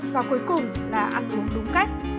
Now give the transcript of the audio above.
và cuối cùng là ăn uống đúng cách